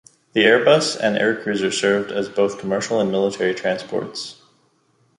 The Airbus and Aircruiser served as both commercial and military transports.